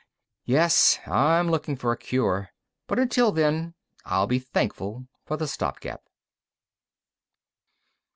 Yes, I'm looking for a cure. But until then, I'll be thankful for the stopgap.